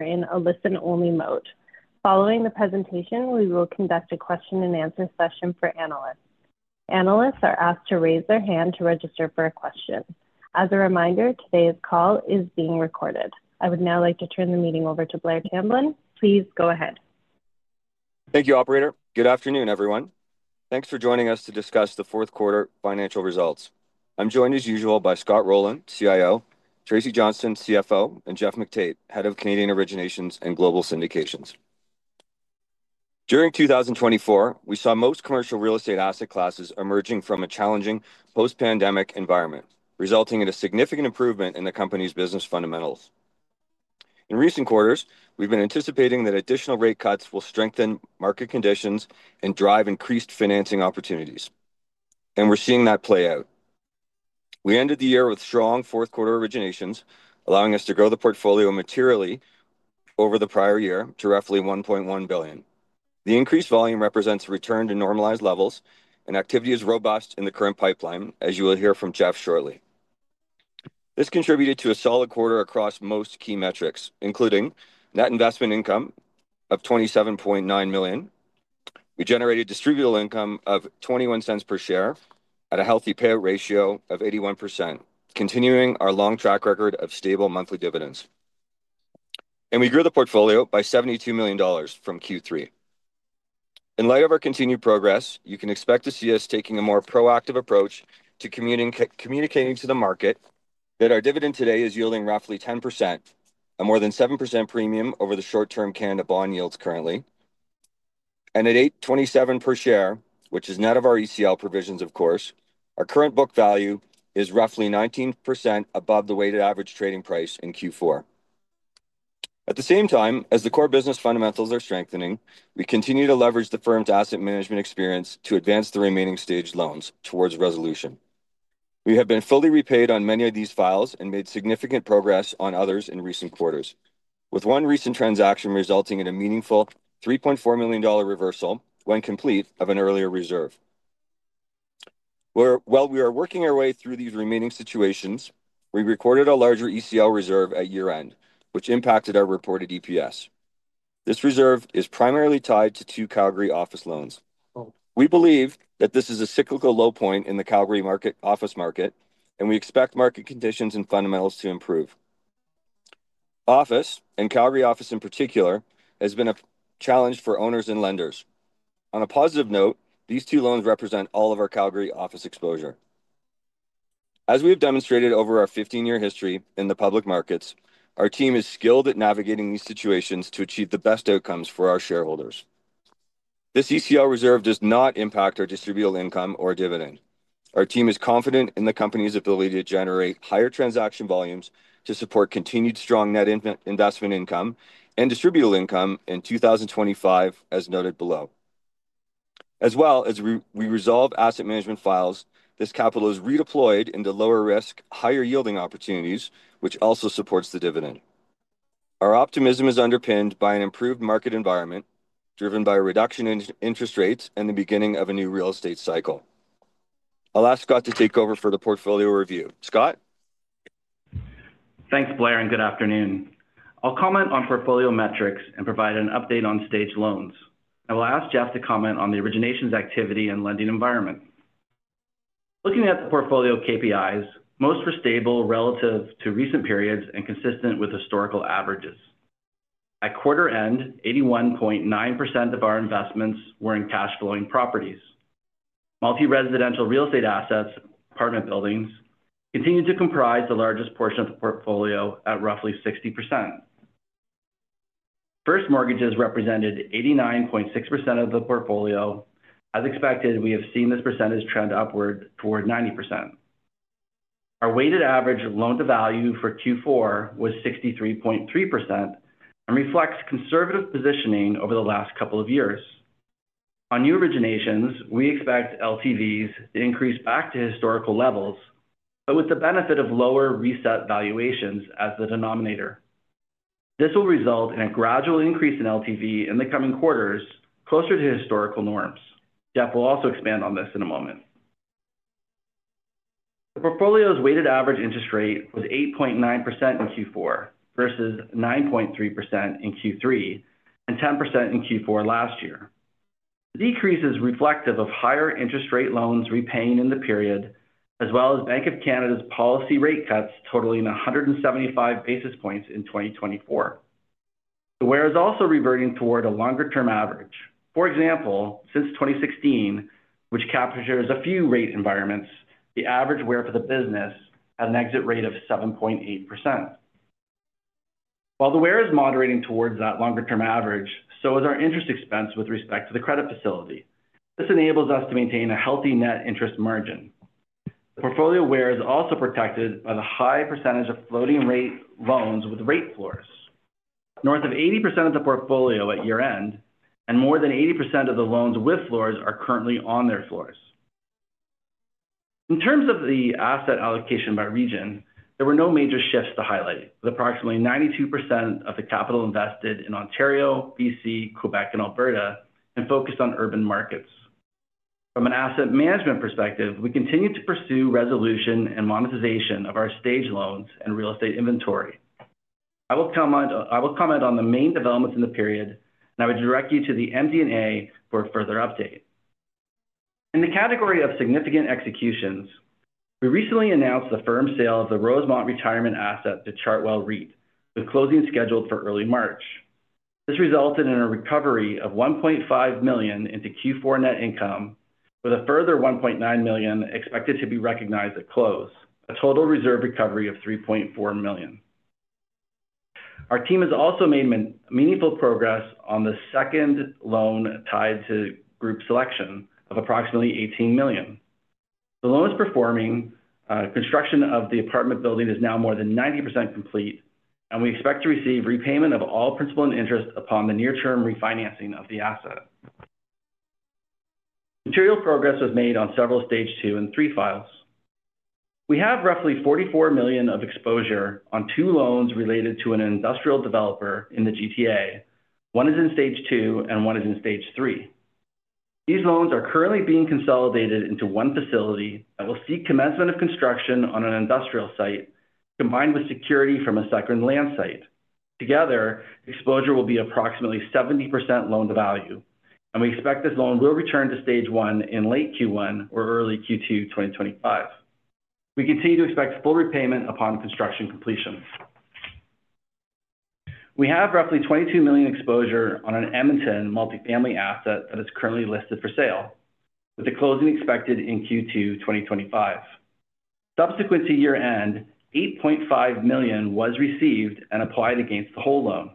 In a listen-only mode. Following the presentation, we will conduct a question-and-answer session for analysts. Analysts are asked to raise their hand to register for a question. As a reminder, today's call is being recorded. I would now like to turn the meeting over to Blair Tamblyn. Please go ahead. Thank you, Operator. Good afternoon, everyone. Thanks for joining us to discuss the fourth quarter financial results. I'm joined as usual by Scott Rowland, CIO, Tracy Johnston, CFO, and Geoff McTait, Head of Canadian Originations and Global Syndications. During 2024, we saw most commercial real estate asset classes emerging from a challenging post-pandemic environment, resulting in a significant improvement in the company's business fundamentals. In recent quarters, we've been anticipating that additional rate cuts will strengthen market conditions and drive increased financing opportunities, and we're seeing that play out. We ended the year with strong fourth quarter originations, allowing us to grow the portfolio materially over the prior year to roughly 1.1 billion. The increased volume represents a return to normalized levels, and activity is robust in the current pipeline, as you will hear from Geoff shortly. This contributed to a solid quarter across most key metrics, including net investment income of 27.9 million. We generated distributable income of 0.21 per share at a healthy payout ratio of 81%, continuing our long track record of stable monthly dividends, and we grew the portfolio by 72 million dollars from Q3. In light of our continued progress, you can expect to see us taking a more proactive approach to communicating to the market that our dividend today is yielding roughly 10%, a more than 7% premium over the short-term Canada bond yields currently, and at 8.27 per share, which is net of our ECL provisions, of course, our current book value is roughly 19% above the weighted average trading price in Q4. At the same time, as the core business fundamentals are strengthening, we continue to leverage the firm's asset management experience to advance the remaining staged loans towards resolution. We have been fully repaid on many of these files and made significant progress on others in recent quarters, with one recent transaction resulting in a meaningful 3.4 million dollar reversal when complete of an earlier reserve. While we are working our way through these remaining situations, we recorded a larger ECL reserve at year-end, which impacted our reported EPS. This reserve is primarily tied to two Calgary office loans. We believe that this is a cyclical low point in the Calgary market office market, and we expect market conditions and fundamentals to improve. Office, and Calgary office in particular, has been a challenge for owners and lenders. On a positive note, these two loans represent all of our Calgary office exposure. As we have demonstrated over our 15-year history in the public markets, our team is skilled at navigating these situations to achieve the best outcomes for our shareholders. This ECL reserve does not impact our distributable income or dividend. Our team is confident in the company's ability to generate higher transaction volumes to support continued strong net investment income and distributable income in 2025, as noted below. As well as we resolve asset management files, this capital is redeployed into lower-risk, higher-yielding opportunities, which also supports the dividend. Our optimism is underpinned by an improved market environment driven by reduction in interest rates and the beginning of a new real estate cycle. I'll ask Scott to take over for the portfolio review. Scott? Thanks, Blair, and good afternoon. I'll comment on portfolio metrics and provide an update on staged loans. I will ask Geoff to comment on the originations activity and lending environment. Looking at the portfolio KPIs, most were stable relative to recent periods and consistent with historical averages. At quarter end, 81.9% of our investments were in cash-flowing properties. Multi-residential real estate assets, apartment buildings, continue to comprise the largest portion of the portfolio at roughly 60%. First mortgages represented 89.6% of the portfolio. As expected, we have seen this percentage trend upward toward 90%. Our weighted average loan-to-value for Q4 was 63.3% and reflects conservative positioning over the last couple of years. On new originations, we expect LTVs to increase back to historical levels, but with the benefit of lower reset valuations as the denominator. This will result in a gradual increase in LTV in the coming quarters, closer to historical norms. Geoff will also expand on this in a moment. The portfolio's weighted average interest rate was 8.9% in Q4 versus 9.3% in Q3 and 10% in Q4 last year. The decrease is reflective of higher interest rate loans repaying in the period, as well as Bank of Canada's policy rate cuts totaling 175 basis points in 2024. The WAIR is also reverting toward a longer-term average. For example, since 2016, which captures a few rate environments, the average WAIR for the business has an exit rate of 7.8%. While the WAIR is moderating towards that longer-term average, so is our interest expense with respect to the credit facility. This enables us to maintain a healthy net interest margin. The portfolio WAIR is also protected by the high percentage of floating-rate loans with rate floors. North of 80% of the portfolio at year-end and more than 80% of the loans with floors are currently on their floors. In terms of the asset allocation by region, there were no major shifts to highlight, with approximately 92% of the capital invested in Ontario, BC, Quebec, and Alberta and focused on urban markets. From an asset management perspective, we continue to pursue resolution and monetization of our staged loans and real estate inventory. I will comment on the main developments in the period, and I would direct you to the MD&A for a further update. In the category of significant executions, we recently announced the firm sale of the Rosemont Retirement Asset to Chartwell REIT, with closing scheduled for early March. This resulted in a recovery of 1.5 million into Q4 net income, with a further 1.9 million expected to be recognized at close, a total reserve recovery of 3.4 million. Our team has also made meaningful progress on the second loan tied to Groupe Sélection of approximately 18 million. The loan is performing. Construction of the apartment building is now more than 90% complete, and we expect to receive repayment of all principal and interest upon the near-term refinancing of the asset. Material progress was made on several Stage 2 and three files. We have roughly 44 million of exposure on two loans related to an industrial developer in the GTA. One is in Stage 2, and one is in Stage 3. These loans are currently being consolidated into one facility that will seek commencement of construction on an industrial site, combined with security from a second land site. Together, exposure will be approximately 70% loan-to-value, and we expect this loan will return to Stage 1 in late Q1 or early Q2 2025. We continue to expect full repayment upon construction completion. We have roughly 22 million exposure on an Edmonton multifamily asset that is currently listed for sale, with the closing expected in Q2 2025. Subsequent to year-end, 8.5 million was received and applied against the whole loan.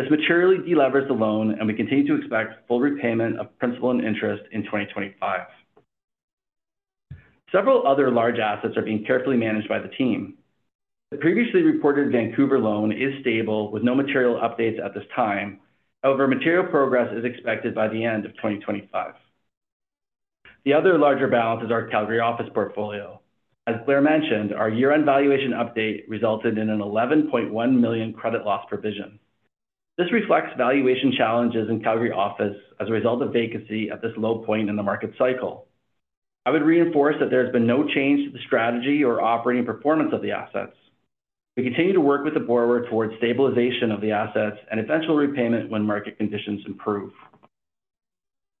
This materially deleveraged the loan, and we continue to expect full repayment of principal and interest in 2025. Several other large assets are being carefully managed by the team. The previously reported Vancouver loan is stable, with no material updates at this time. However, material progress is expected by the end of 2025. The other larger balance is our Calgary office portfolio. As Blair mentioned, our year-end valuation update resulted in a 11.1 million credit loss provision. This reflects valuation challenges in Calgary office as a result of vacancy at this low point in the market cycle. I would reinforce that there has been no change to the strategy or operating performance of the assets. We continue to work with the borrower towards stabilization of the assets and eventual repayment when market conditions improve.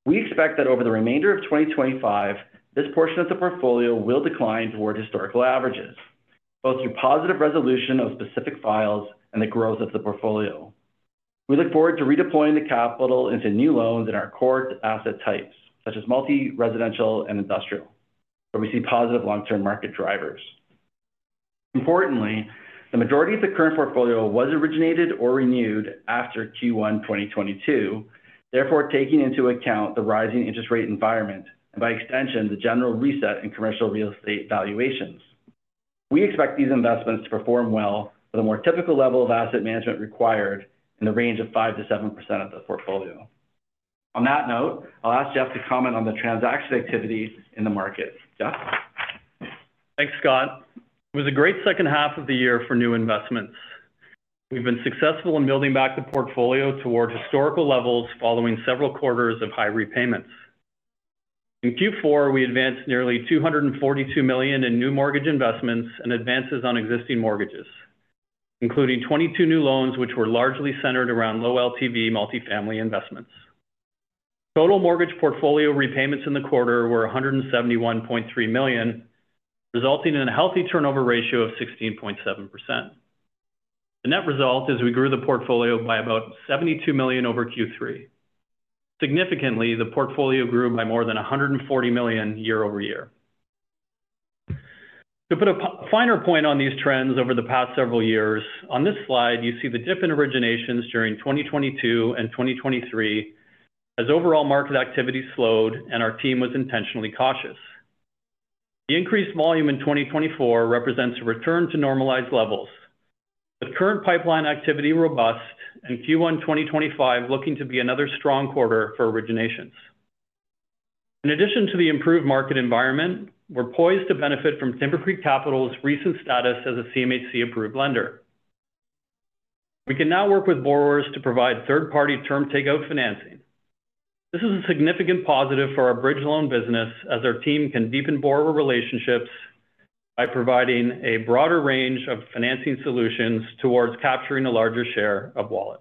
We expect that over the remainder of 2025, this portion of the portfolio will decline toward historical averages, both through positive resolution of specific files and the growth of the portfolio. We look forward to redeploying the capital into new loans in our core asset types, such as multi-residential and industrial, where we see positive long-term market drivers. Importantly, the majority of the current portfolio was originated or renewed after Q1 2022, therefore taking into account the rising interest rate environment and, by extension, the general reset in commercial real estate valuations. We expect these investments to perform well for the more typical level of asset management required in the range of 5%-7% of the portfolio. On that note, I'll ask Geoff to comment on the transaction activity in the market. Geoff? Thanks, Scott. It was a great second half of the year for new investments. We've been successful in building back the portfolio toward historical levels following several quarters of high repayments. In Q4, we advanced nearly 242 million in new mortgage investments and advances on existing mortgages, including 22 new loans, which were largely centered around low LTV multifamily investments. Total mortgage portfolio repayments in the quarter were 171.3 million, resulting in a healthy turnover ratio of 16.7%. The net result is we grew the portfolio by about 72 million over Q3. Significantly, the portfolio grew by more than 140 million year-over-year. To put a finer point on these trends over the past several years, on this slide, you see the dip in originations during 2022 and 2023 as overall market activity slowed and our team was intentionally cautious. The increased volume in 2024 represents a return to normalized levels, with current pipeline activity robust and Q1 2025 looking to be another strong quarter for originations. In addition to the improved market environment, we're poised to benefit from Timbercreek Capital's recent status as a CMHC-approved lender. We can now work with borrowers to provide third-party term takeout financing. This is a significant positive for our bridge loan business, as our team can deepen borrower relationships by providing a broader range of financing solutions towards capturing a larger share of wallet.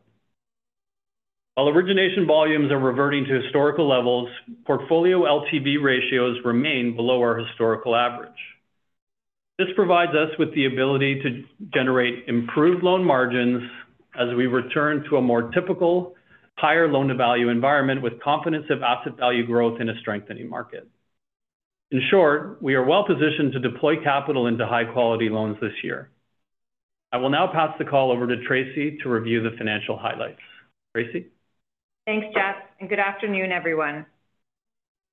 While origination volumes are reverting to historical levels, portfolio LTV ratios remain below our historical average. This provides us with the ability to generate improved loan margins as we return to a more typical, higher loan-to-value environment with confidence of asset value growth in a strengthening market. In short, we are well-positioned to deploy capital into high-quality loans this year. I will now pass the call over to Tracy to review the financial highlights. Tracy? Thanks, Geoff, and good afternoon, everyone.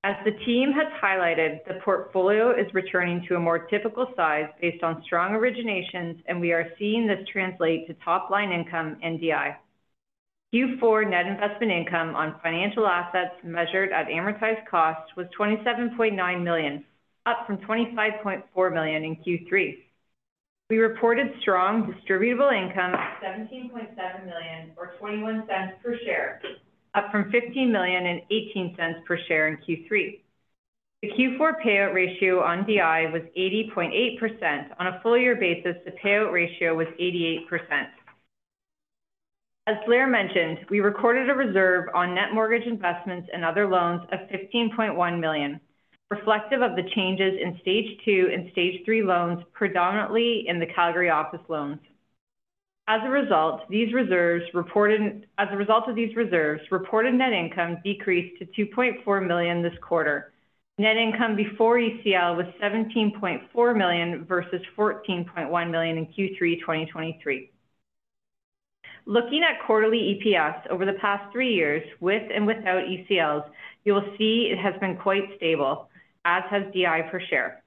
As the team has highlighted, the portfolio is returning to a more typical size based on strong originations, and we are seeing this translate to top-line income (NDI). Q4 net investment income on financial assets measured at amortized cost was 27.9 million, up from 25.4 million in Q3. We reported strong distributable income of 17.7 million, or 0.21 per share, up from 15.18 per share in Q3. The Q4 payout ratio on NDI was 80.8%. On a full-year basis, the payout ratio was 88%. As Blair mentioned, we recorded a reserve on net mortgage investments and other loans of 15.1 million, reflective of the changes in Stage 2 and Stage 3 loans, predominantly in the Calgary office loans. As a result of these reserves, reported net income decreased to 2.4 million this quarter. Net income before ECL was $17.4 million versus $14.1 million in Q3 2023. Looking at quarterly EPS over the past three years, with and without ECLs, you will see it has been quite stable, as has DI per share.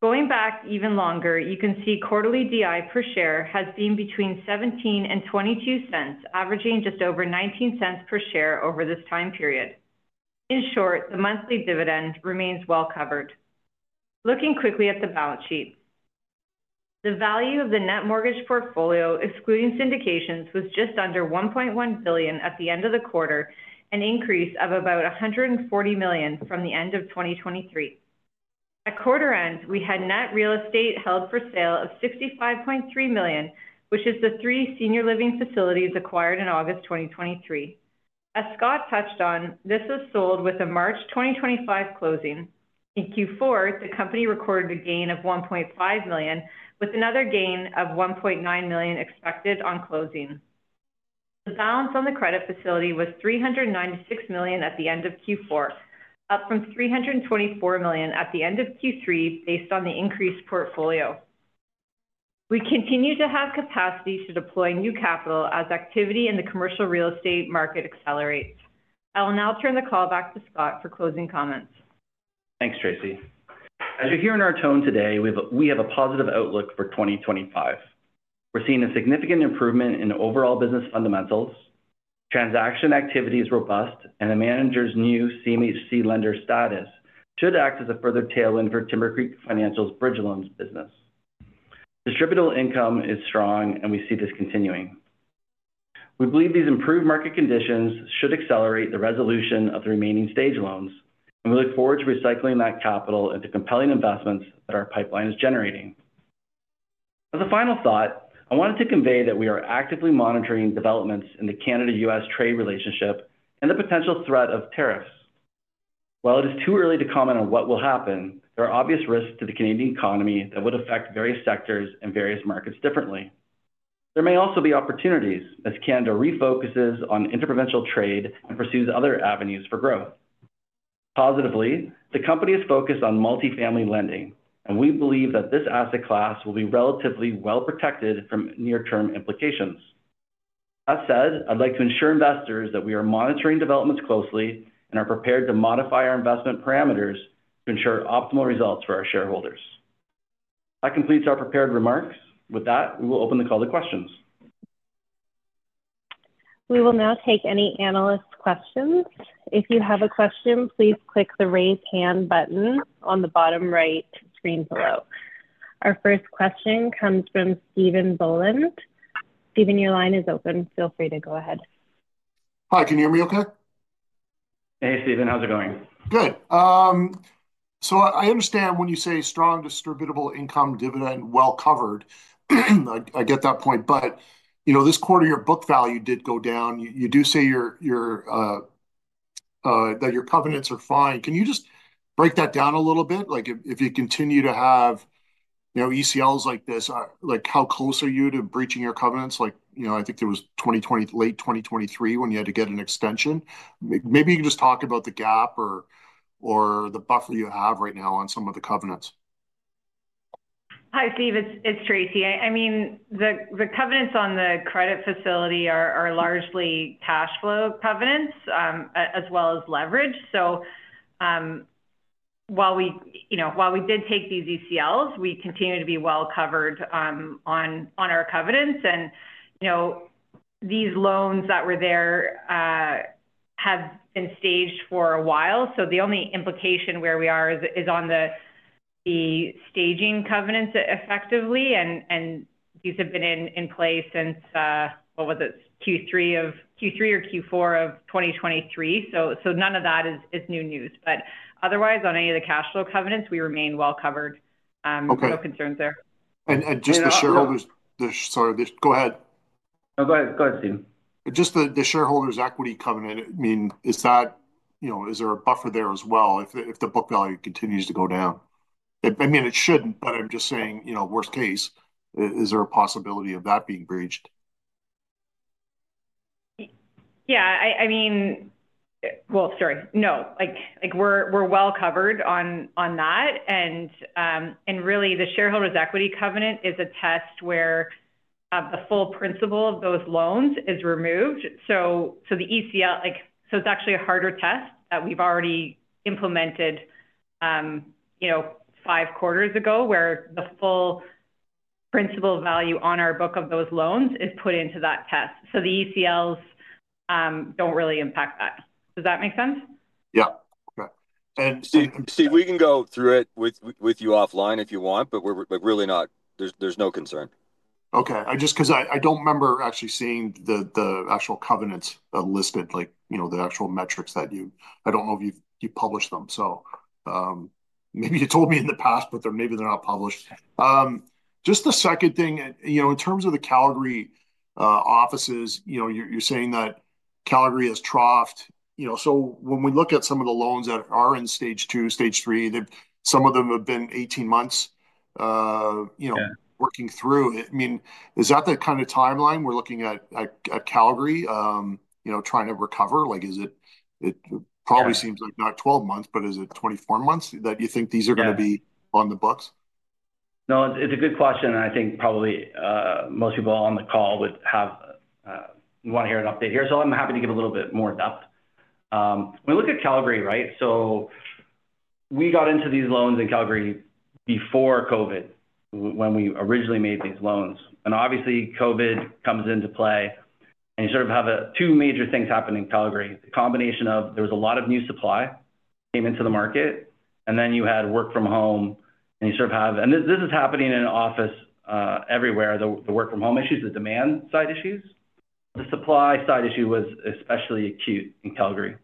Going back even longer, you can see quarterly DI per share has been between $0.17 and $0.22, averaging just over $0.19 per share over this time period. In short, the monthly dividend remains well covered. Looking quickly at the balance sheet, the value of the net mortgage portfolio, excluding syndications, was just under $1.1 billion at the end of the quarter, an increase of about $140 million from the end of 2023. At quarter end, we had net real estate held for sale of $65.3 million, which is the three senior living facilities acquired in August 2023. As Scott touched on, this was sold with a March 2025 closing. In Q4, the company recorded a gain of 1.5 million, with another gain of 1.9 million expected on closing. The balance on the credit facility was 396 million at the end of Q4, up from 324 million at the end of Q3 based on the increased portfolio. We continue to have capacity to deploy new capital as activity in the commercial real estate market accelerates. I will now turn the call back to Scott for closing comments. Thanks, Tracy. As you hear in our tone today, we have a positive outlook for 2025. We're seeing a significant improvement in overall business fundamentals. Transaction activity is robust, and the manager's new CMHC lender status should act as a further tailwind for Timbercreek Financial's bridge loans business. Distributable income is strong, and we see this continuing. We believe these improved market conditions should accelerate the resolution of the remaining staged loans, and we look forward to recycling that capital into compelling investments that our pipeline is generating. As a final thought, I wanted to convey that we are actively monitoring developments in the Canada-U.S. trade relationship and the potential threat of tariffs. While it is too early to comment on what will happen, there are obvious risks to the Canadian economy that would affect various sectors and various markets differently. There may also be opportunities as Canada refocuses on interprovincial trade and pursues other avenues for growth. Positively, the company is focused on multifamily lending, and we believe that this asset class will be relatively well protected from near-term implications. That said, I'd like to ensure investors that we are monitoring developments closely and are prepared to modify our investment parameters to ensure optimal results for our shareholders. That completes our prepared remarks. With that, we will open the call to questions. We will now take any analyst questions. If you have a question, please click the raise hand button on the bottom right screen below. Our first question comes from Stephen Boland. Steven, your line is open. Feel free to go ahead. Hi, can you hear me okay? Hey, Steven. How's it going? Good. So I understand when you say strong distributable income dividend, well covered, I get that point. But this quarter, your book value did go down. You do say that your covenants are fine. Can you just break that down a little bit? If you continue to have ECLs like this, how close are you to breaching your covenants? I think it was late 2023 when you had to get an extension. Maybe you can just talk about the gap or the buffer you have right now on some of the covenants. Hi, Steve. It's Tracy. I mean, the covenants on the credit facility are largely cash flow covenants as well as leverage. So while we did take these ECLs, we continue to be well covered on our covenants. And these loans that were there have been staged for a while. So the only implication where we are is on the staging covenants effectively. And these have been in place since, what was it, Q3 or Q4 of 2023. So none of that is new news. But otherwise, on any of the cash flow covenants, we remain well covered. No concerns there. And just the shareholders'. Sorry, go ahead. No, go ahead, Steven. Just the shareholders' equity covenant, I mean, is there a buffer there as well if the book value continues to go down? I mean, it shouldn't, but I'm just saying, worst case, is there a possibility of that being breached? Yeah. I mean, well, sorry. No, we're well covered on that. And really, the shareholders' equity covenant is a test where the full principal of those loans is removed. So it's actually a harder test that we've already implemented five quarters ago, where the full principal value on our book of those loans is put into that test. So the ECLs don't really impact that. Does that make sense? Yeah. Okay. And Steve, we can go through it with you offline if you want, but really there's no concern. Okay. Just because I don't remember actually seeing the actual covenants listed, the actual metrics that you—I don't know if you've published them. So maybe you told me in the past, but maybe they're not published. Just the second thing, in terms of the Calgary offices, you're saying that Calgary has troughed. So when we look at some of the loans that are in Stage 2, Stage 3, some of them have been 18 months working through it. I mean, is that the kind of timeline we're looking at Calgary trying to recover? It probably seems like not 12 months, but is it 24 months that you think these are going to be on the books? No, it's a good question. And I think probably most people on the call would want to hear an update here. So I'm happy to give a little bit more depth. When we look at Calgary, right, so we got into these loans in Calgary before COVID when we originally made these loans. And obviously, COVID comes into play. And you sort of have two major things happening in Calgary. The combination of there was a lot of new supply came into the market, and then you had work from home, and you sort of have, and this is happening in offices everywhere, the work-from-home issues, the demand-side issues. The supply-side issue was especially acute in Calgary.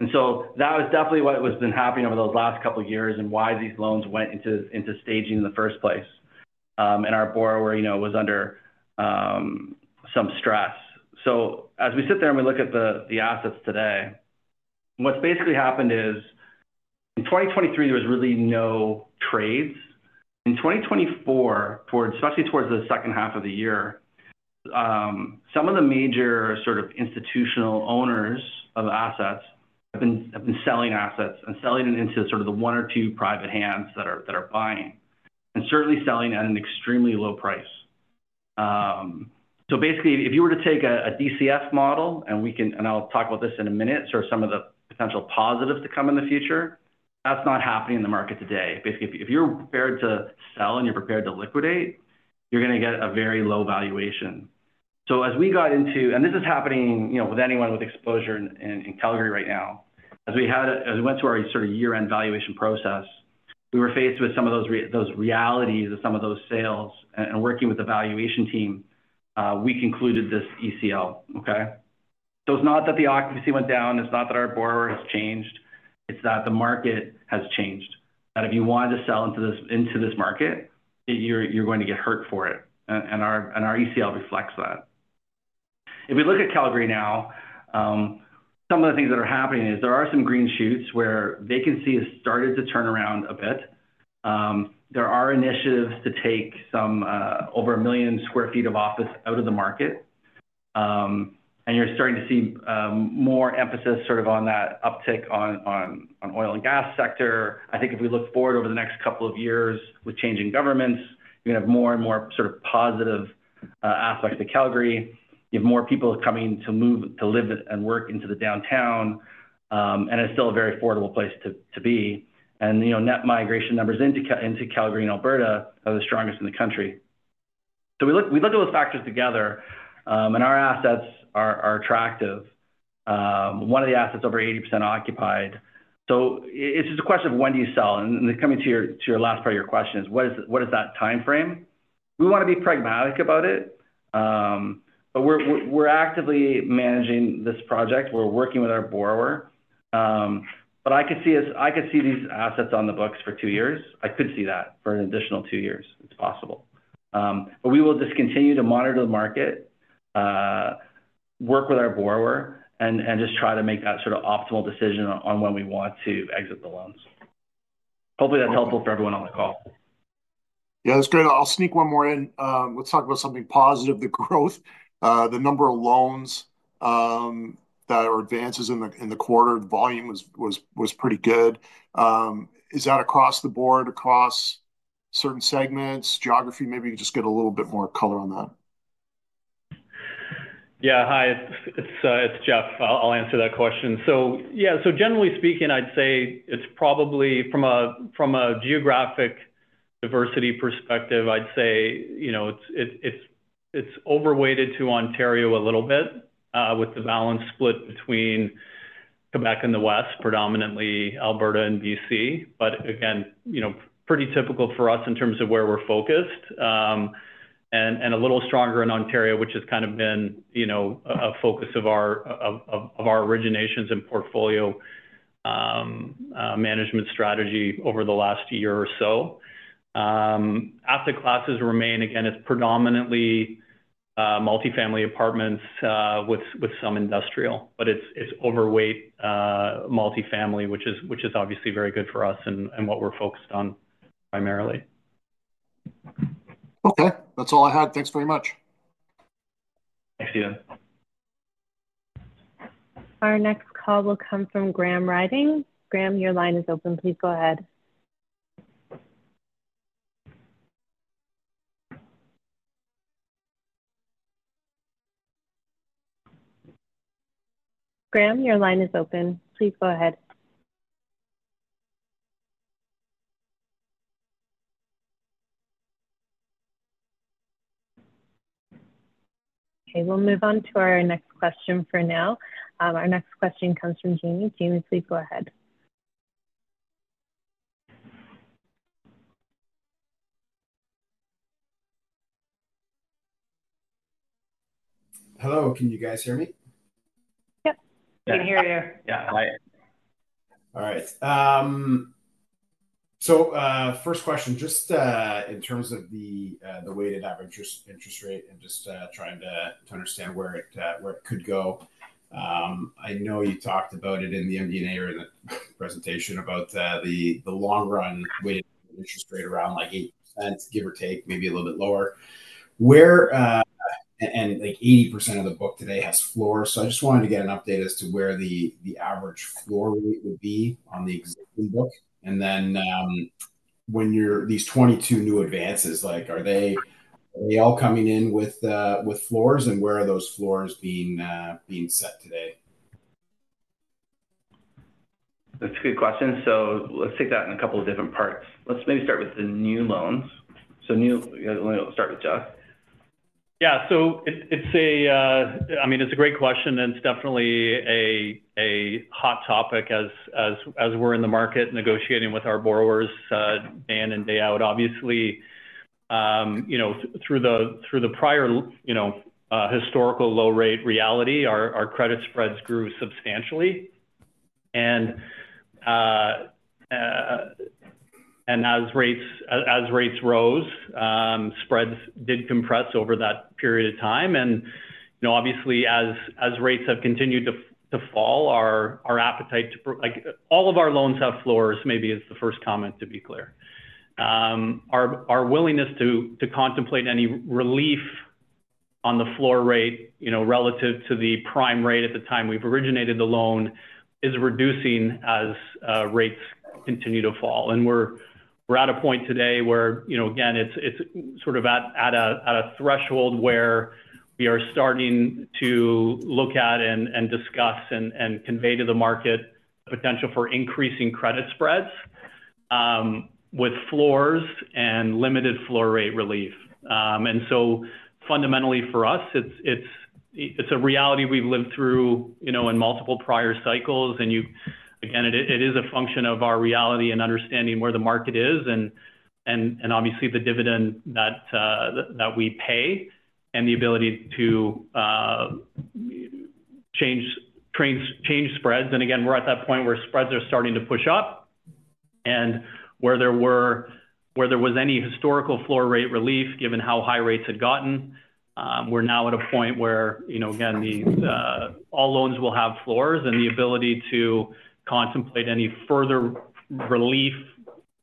And so that was definitely what was happening over those last couple of years and why these loans went into staging in the first place. And our borrower was under some stress. So, as we sit there and we look at the assets today, what's basically happened is in 2023, there was really no trades. In 2024, especially towards the second half of the year, some of the major sort of institutional owners of assets have been selling assets and selling them into sort of the one or two private hands that are buying and certainly selling at an extremely low price. So basically, if you were to take a DCF model, and I'll talk about this in a minute, sort of some of the potential positives to come in the future, that's not happening in the market today. Basically, if you're prepared to sell and you're prepared to liquidate, you're going to get a very low valuation. So as we got into, and this is happening with anyone with exposure in Calgary right now, as we went through our sort of year-end valuation process, we were faced with some of those realities of some of those sales. And working with the valuation team, we concluded this ECL. Okay? So it's not that the occupancy went down. It's not that our borrower has changed. It's that the market has changed. That if you wanted to sell into this market, you're going to get hurt for it. And our ECL reflects that. If we look at Calgary now, some of the things that are happening is there are some green shoots where vacancy has started to turn around a bit. There are initiatives to take some over 1 million sq ft of office out of the market. You're starting to see more emphasis sort of on that uptick on the oil and gas sector. I think if we look forward over the next couple of years with changing governments, you're going to have more and more sort of positive aspects to Calgary. You have more people coming to live and work into the downtown. It's still a very affordable place to be. Net migration numbers into Calgary and Alberta are the strongest in the country. We looked at those factors together, and our assets are attractive. One of the assets is over 80% occupied. It's just a question of when do you sell? Coming to your last part of your question is, what is that timeframe? We want to be pragmatic about it, but we're actively managing this project. We're working with our borrower. But I could see these assets on the books for two years. I could see that for an additional two years. It's possible. But we will just continue to monitor the market, work with our borrower, and just try to make that sort of optimal decision on when we want to exit the loans. Hopefully, that's helpful for everyone on the call. Yeah, that's great. I'll sneak one more in. Let's talk about something positive, the growth, the number of loans that are advances in the quarter. The volume was pretty good. Is that across the board, across certain segments, geography? Maybe you just get a little bit more color on that. Yeah. Hi. It's Geoff. I'll answer that question. So yeah, so generally speaking, I'd say it's probably from a geographic diversity perspective, I'd say it's overweight to Ontario a little bit with the balance split between Quebec and the West, predominantly Alberta and BC. But again, pretty typical for us in terms of where we're focused and a little stronger in Ontario, which has kind of been a focus of our originations and portfolio management strategy over the last year or so. Asset classes remain, again, it's predominantly multifamily apartments with some industrial, but it's overweight multifamily, which is obviously very good for us and what we're focused on primarily. Okay. That's all I had. Thanks very much. Thanks, Steven. Our next call will come from Graham Ryding. Graham, your line is open. Please go ahead. Graham, your line is open. Please go ahead. Okay. We'll move on to our next question for now. Our next question comes from Jamie. Jamie, please go ahead. Hello. Can you guys hear me? Yep. We can hear you. Yeah. Hi. All right. So first question, just in terms of the weighted average interest rate and just trying to understand where it could go. I know you talked about it in the MD&A presentation about the long-run weighted interest rate around like 8%, give or take, maybe a little bit lower. And 80% of the book today has floors. So I just wanted to get an update as to where the average floor rate would be on the existing book. And then when you're these 22 new advances, are they all coming in with floors, and where are those floors being set today? That's a good question. So let's take that in a couple of different parts. Let's maybe start with the new loans. So let me start with Geoff. Yeah. So I mean, it's a great question. And it's definitely a hot topic as we're in the market negotiating with our borrowers day in and day out. Obviously, through the prior historical low-rate reality, our credit spreads grew substantially. And as rates rose, spreads did compress over that period of time. And obviously, as rates have continued to fall, our appetite to all of our loans have floors, maybe is the first comment to be clear. Our willingness to contemplate any relief on the floor rate relative to the prime rate at the time we've originated the loan is reducing as rates continue to fall. And we're at a point today where, again, it's sort of at a threshold where we are starting to look at and discuss and convey to the market the potential for increasing credit spreads with floors and limited floor rate relief. And so fundamentally for us, it's a reality we've lived through in multiple prior cycles. And again, it is a function of our reality and understanding where the market is and obviously the dividend that we pay and the ability to change spreads. And again, we're at that point where spreads are starting to push up. And where there was any historical floor rate relief, given how high rates had gotten, we're now at a point where, again, all loans will have floors. And the ability to contemplate any further relief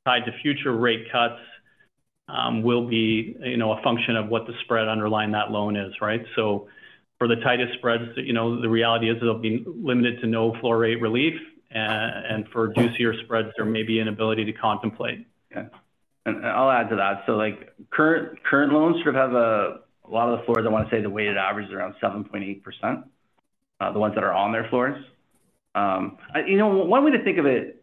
tied to future rate cuts will be a function of what the spread underlying that loan is, right? So for the tightest spreads, the reality is they'll be limited to no floor rate relief. And for juicier spreads, there may be an ability to contemplate. Yeah. And I'll add to that. So current loans sort of have a lot of the floors. I want to say the weighted average is around 7.8%, the ones that are on their floors. One way to think of it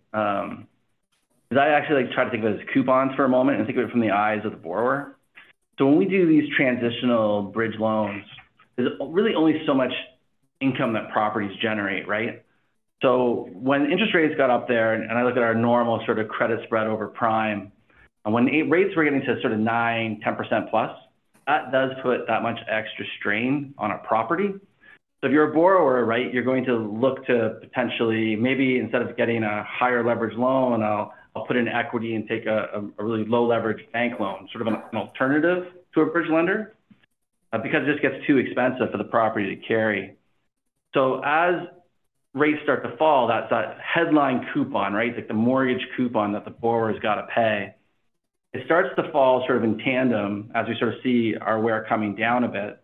is I actually try to think of it as coupons for a moment and think of it from the eyes of the borrower. So when we do these transitional bridge loans, there's really only so much income that properties generate, right? So when interest rates got up there, and I look at our normal sort of credit spread over prime, when rates were getting to sort of 9%-10%+, that does put that much extra strain on a property. So if you're a borrower, right, you're going to look to potentially maybe instead of getting a higher leverage loan, I'll put in equity and take a really low-leverage bank loan, sort of an alternative to a bridge lender because it just gets too expensive for the property to carry. So as rates start to fall, that headline coupon, right, the mortgage coupon that the borrower has got to pay, it starts to fall sort of in tandem as we sort of see our WAIR coming down a bit.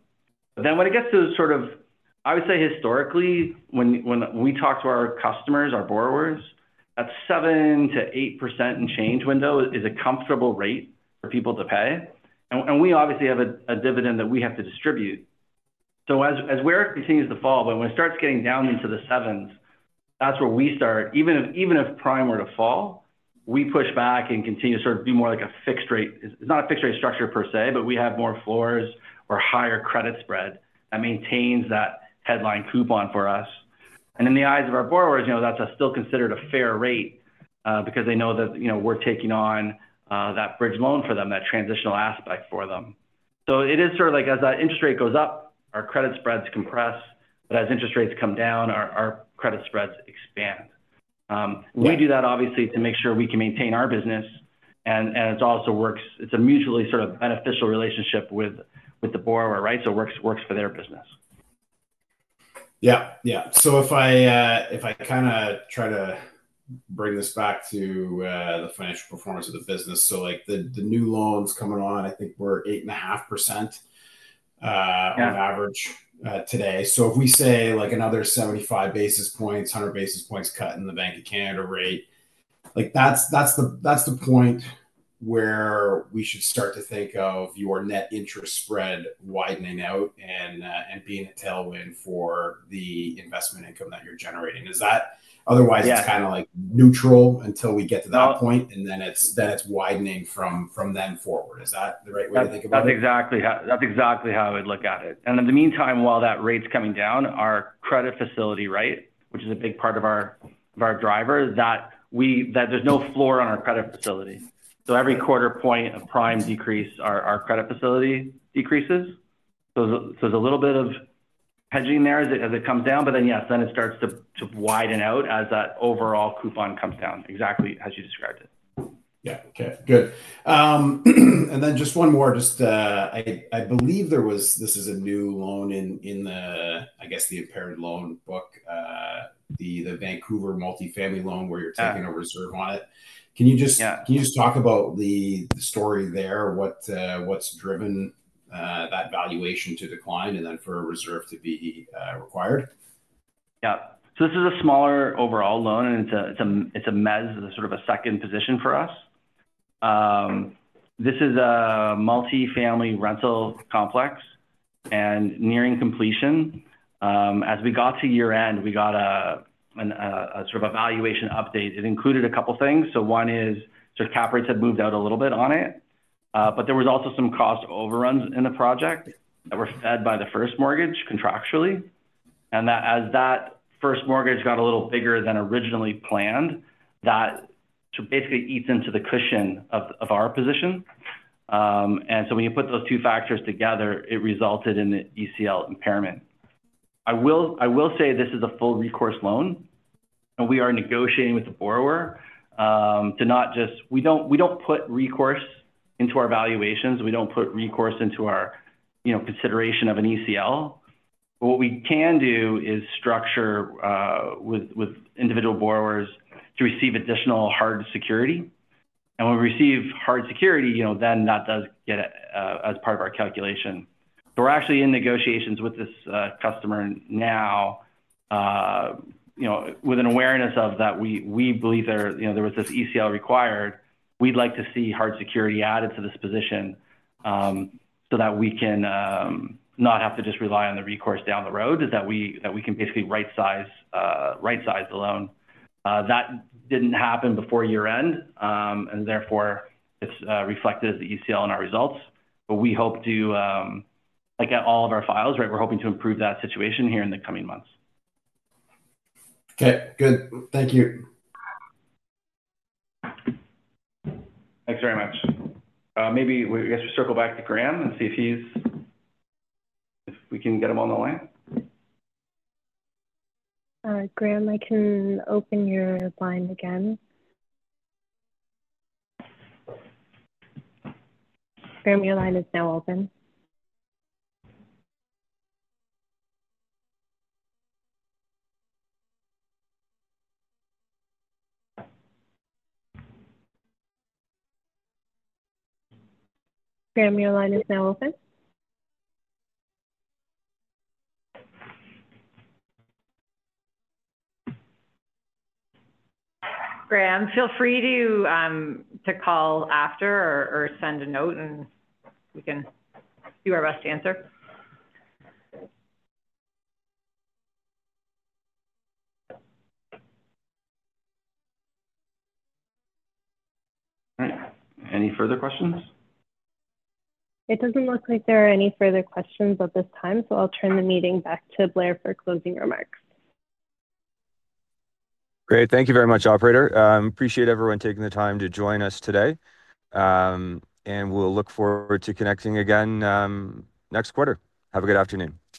But then when it gets to sort of, I would say historically, when we talk to our customers, our borrowers, that 7%-8% and change window is a comfortable rate for people to pay. And we obviously have a dividend that we have to distribute. So as WAIR continues to fall, but when it starts getting down into the sevens, that's where we start. Even if prime were to fall, we push back and continue to sort of be more like a fixed rate. It's not a fixed-rate structure per se, but we have more floors or higher credit spread that maintains that headline coupon for us. And in the eyes of our borrowers, that's still considered a fair rate because they know that we're taking on that bridge loan for them, that transitional aspect for them. So it is sort of like as that interest rate goes up, our credit spreads compress, but as interest rates come down, our credit spreads expand. We do that obviously to make sure we can maintain our business. And it also works. It's a mutually sort of beneficial relationship with the borrower, right? It works for their business. Yeah. Yeah. So if I kind of try to bring this back to the financial performance of the business, so the new loans coming on, I think we're 8.5% on average today. So if we say another 75 basis points, 100 basis points cut in the Bank of Canada rate, that's the point where we should start to think of your net interest spread widening out and being a tailwind for the investment income that you're generating. Is that otherwise kind of neutral until we get to that point, and then it's widening from then forward? Is that the right way to think about it? That's exactly how I would look at it, and in the meantime, while that rate's coming down, our credit facility, right, which is a big part of our driver, that there's no floor on our credit facility, so every quarter point of prime decrease, our credit facility decreases, so there's a little bit of hedging there as it comes down, but then yes, then it starts to widen out as that overall coupon comes down, exactly as you described it. Yeah. Okay. Good. And then just one more. Just, I believe there was this is a new loan in the, I guess, the impaired loan book, the Vancouver Multifamily Loan where you're taking a reserve on it. Can you just talk about the story there, what's driven that valuation to decline and then for a reserve to be required? Yeah. So this is a smaller overall loan, and it's a mezz, sort of a second position for us. This is a multifamily rental complex and nearing completion. As we got to year-end, we got a sort of a valuation update. It included a couple of things. So one is sort of cap rates had moved out a little bit on it. But there was also some cost overruns in the project that were fed by the first mortgage contractually. And as that first mortgage got a little bigger than originally planned, that basically eats into the cushion of our position. And so when you put those two factors together, it resulted in the ECL impairment. I will say this is a full recourse loan, and we are negotiating with the borrower to not just we don't put recourse into our valuations. We don't put recourse into our consideration of an ECL. But what we can do is structure with individual borrowers to receive additional hard security. And when we receive hard security, then that does get as part of our calculation. So we're actually in negotiations with this customer now with an awareness of that we believe there was this ECL required. We'd like to see hard security added to this position so that we can not have to just rely on the recourse down the road, is that we can basically rightsize the loan. That didn't happen before year-end, and therefore it's reflected as the ECL in our results. But we hope to get all of our files, right? We're hoping to improve that situation here in the coming months. Okay. Good. Thank you. Thanks very much. Maybe we have to circle back to Graham and see if we can get him on the line. Graham, I can open your line again. Graham, your line is now open. Graham, your line is now open. Graham, feel free to call after or send a note, and we can do our best to answer. Any further questions? It doesn't look like there are any further questions at this time, so I'll turn the meeting back to Blair for closing remarks. Great. Thank you very much, operator. Appreciate everyone taking the time to join us today. And we'll look forward to connecting again next quarter. Have a good afternoon.